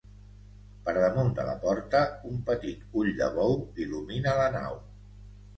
Per damunt de la porta un petit ull de bou il·lumina la nau.